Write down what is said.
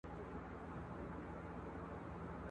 چي دا ټوله د دوستانو برکت دی !.